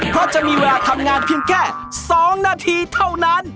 เพราะจะมีเวลาทำงานเพียงแค่๒นาทีเท่านั้น